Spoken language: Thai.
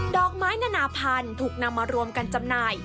อกไม้นานาพันธุ์ถูกนำมารวมกันจำหน่าย